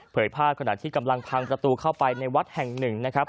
ภาพขณะที่กำลังพังประตูเข้าไปในวัดแห่งหนึ่งนะครับ